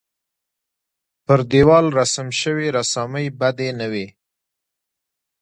پر دېوال رسم شوې رسامۍ بدې نه وې.